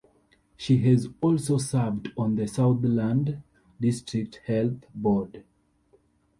She has also served on the Southland District Health Board.